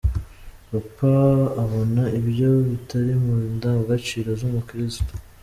Papa abona ibyo bitari mu ndangagaciro z’umukirisitu.